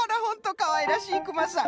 かわいらしいクマさん。